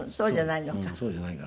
そうじゃないのか。